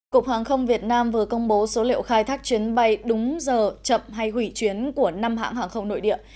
cục hàng không việt nam vừa công bố số liệu khai thác chuyến bay đúng giờ chậm hay hủy chuyến của năm hãng hàng không nội địa